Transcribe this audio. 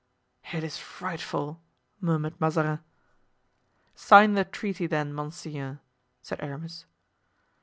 "It is frightful," murmured Mazarin. "Sign the treaty, then, monseigneur," said Aramis.